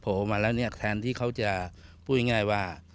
มาแล้วเนี่ยแทนที่เขาจะพูดง่ายว่า